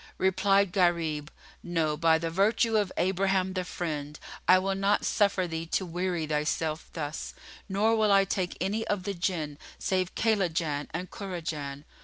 Replied Gharib, "No, by the virtue of Abraham the Friend, I will not suffer thee to weary thyself thus, nor will I take any of the Jinn save Kaylajan and Kurajan."